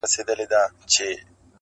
ته چي راغلې سپين چي سوله تور باڼه,